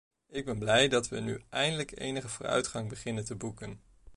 Ik ben blij dat we nu eindelijk enige vooruitgang beginnen te boeken.